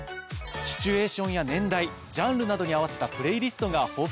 シチュエーションや年代ジャンルなどに合わせたプレイリストが豊富なんですよね。